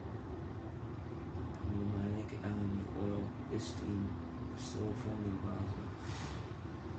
Aromatic elemi oil is steam distilled from the resin.